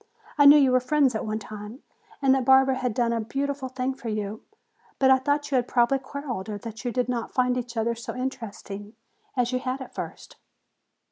I knew you were friends at one time and that Barbara had done a beautiful thing for you. But I thought you had probably quarreled, or that you did not find each other so interesting as you had at first."